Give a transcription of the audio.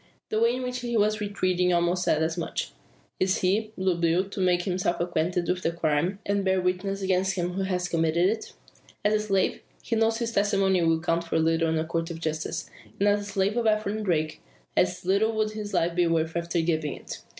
The way in which he was retreating almost said as much. Is he, Blue Bill, to make himself acquainted with the crime, and bear witness against him who has committed it? As a slave, he knows his testimony will count for little in a court of justice. And as the slave of Ephraim Darke, as little would his life be worth after giving it.